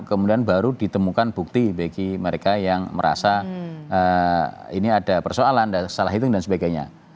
kemudian baru ditemukan bukti bagi mereka yang merasa ini ada persoalan salah hitung dan sebagainya